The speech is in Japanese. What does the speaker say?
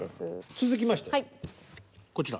続きましてこちら。